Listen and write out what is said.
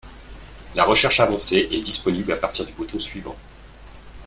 La recherche avancée est disponible à partir du bouton suivant